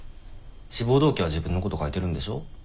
志望動機は自分のこと書いてるんでしょ？